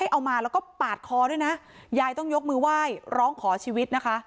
เอามาแล้วก็ปาดคอด้วยนะยายต้องยกมือไหว้ร้องขอชีวิตนะคะ